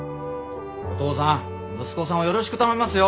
お父さん息子さんをよろしく頼みますよ！